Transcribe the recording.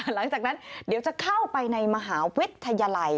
หลังจากนั้นเดี๋ยวจะเข้าไปในมหาวิทยาลัย